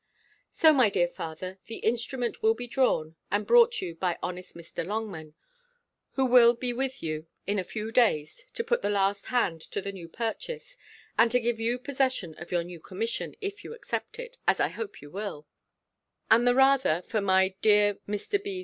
So, my dear father, the instrument will be drawn, and brought you by honest Mr. Longman, who will be with you in a few days to put the last hand to the new purchase, and to give you possession of your new commission, if you accept it, as I hope you will; and the rather, for my dear Mr. B.'